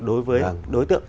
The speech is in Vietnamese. đối với đối tượng